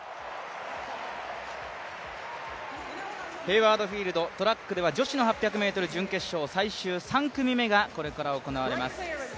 ヘイワード・フィールド、トラックでは女子８００ｍ準決勝、最終３組目がこれから行われます。